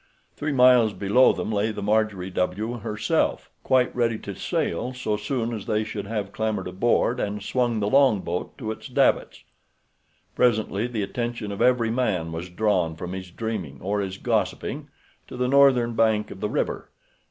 Three miles below them lay the Marjorie W. herself, quite ready to sail so soon as they should have clambered aboard and swung the long boat to its davits. Presently the attention of every man was drawn from his dreaming or his gossiping to the northern bank of the river.